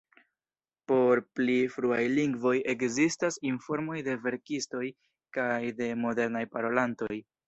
Por pli fruaj lingvoj ekzistas informoj de verkistoj kaj de modernaj parolantoj.